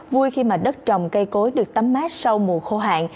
vui khi mà đất trồng cây cối được tắm mát sau mùa khô hạn